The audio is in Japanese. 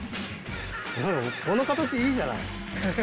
何この形いいじゃない。